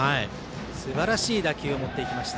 すばらしい打球を持っていきました。